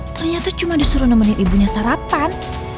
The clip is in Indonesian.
ternyata cuma disuruh nemenin ibunya sarapan